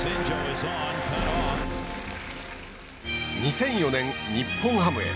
２００４年、日本ハムへ。